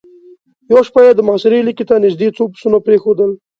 يوه شپه يې د محاصرې ليکې ته نېزدې څو پسونه پرېښودل.